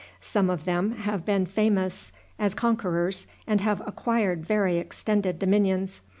Some of them have been famous as conquerors, and have acquired very extended dominions.